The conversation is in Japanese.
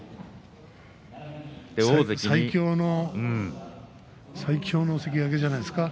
最強の関脇じゃないですか。